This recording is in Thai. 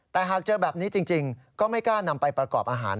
แต่หากเจอแบบนี้จริงก็ไม่กล้านำไปประกอบอาหาร